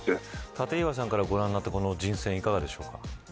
立岩さんからご覧になってこの人選、いかがでしょうか。